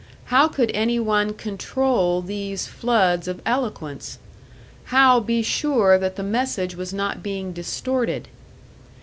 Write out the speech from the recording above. How could any one control these floods of eloquence? How be sure that the message was not being distorted?